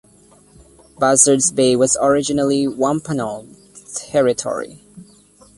Buzzards Bay was originally Wampanoag territory.